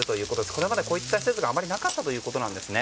これまで、こういった施設があまりなかったそうなんですね。